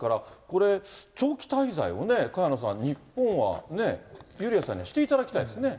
これ、長期滞在をね、萱野さん、日本はユリアさんにはしていただきたいですね。